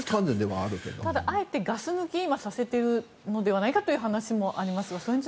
ただ、あえてガス抜きをさせているのではないかという話もありますが。